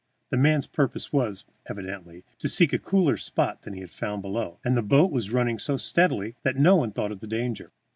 The man's purpose was, evidently, to seek a cooler spot than he had found below, and the boat was running so steadily that no one thought of danger.